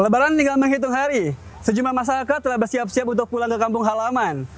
lebaran tinggal menghitung hari sejumlah masyarakat telah bersiap siap untuk pulang ke kampung halaman